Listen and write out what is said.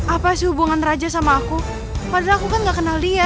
apa sih hubungan raja sama aku padahal aku kan gak kenal dia